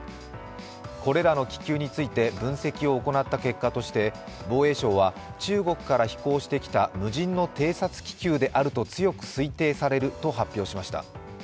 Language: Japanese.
これらの気球について分析を行った結果として防衛省は、中国から飛行してきた無人の偵察気球であると強く推定されると発表しました。